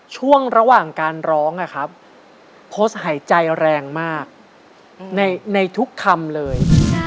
ช่วงระหว่างการร้องโพสต์หายใจแรงมากในทุกคำเลย